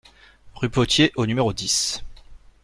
Rue Potier au numéro dix